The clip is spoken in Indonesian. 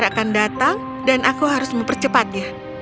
aku akan datang dan aku harus mempercepatnya